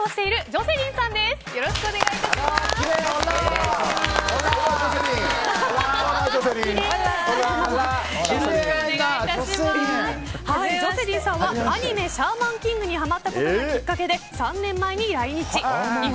ジョセリンさんはアニメ「シャーマンキング」にハマったことがきっかけで３年前に来日。